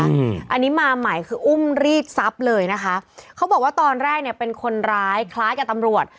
อืมอันนี้มาใหม่คืออุ้มรีดทรัพย์เลยนะคะเขาบอกว่าตอนแรกเนี้ยเป็นคนร้ายคล้ายกับตำรวจ